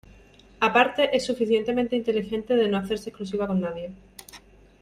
Aparte, es suficientemente inteligente de no hacerse exclusiva con nadie.